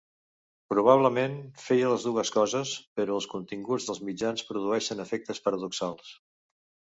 Probablement, feia les dues coses; però els continguts dels mitjans produeixen efectes paradoxals.